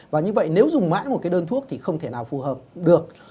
và như vậy nếu dùng mãi một cái đơn thuốc thì không thể nào phù hợp được